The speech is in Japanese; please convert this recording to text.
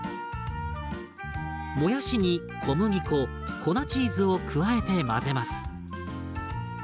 もやしに小麦粉粉チーズを加えて混ぜます。